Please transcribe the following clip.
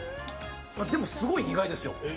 でもすごい苦いですよ。